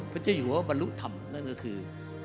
พระเจ้าหญิงบรรลุธรรมนั่นก็คือ